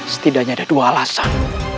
setidaknya ada dua alasan